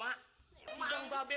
oh dibawah pun jambu